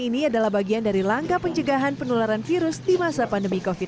ini adalah bagian dari langkah pencegahan penularan virus di masa pandemi covid sembilan belas